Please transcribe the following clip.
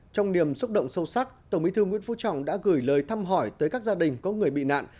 trong niềm xúc động sâu sắc tổng bí thư nguyễn phú trọng đã gửi lời thăm hỏi tới các gia đình có người bị nạn